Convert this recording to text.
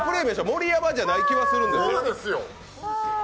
盛山じゃない気がするんです。